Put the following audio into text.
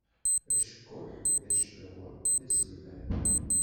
Acekkuḥ d aclawa,d aselban.